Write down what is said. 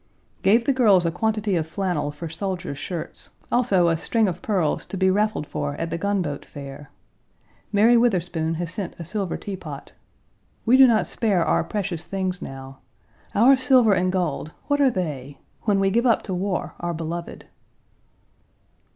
Gave the girls a quantity of flannel for soldiers' shirts; also a string of pearls to be raffled for at the Gunboat Fair. Mary Witherspoon has sent a silver tea pot. We do not spare our precious things now. Our silver and gold, what are they? when we give up to war our beloved.